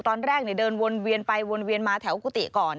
ตอนแรกเดินวนเวียนไปวนเวียนมาแถวกุฏิก่อน